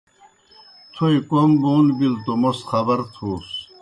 تھوئے کوْم بون بِلوْ توْ موْس خبر تھوس۔